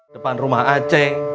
depan rumah aceh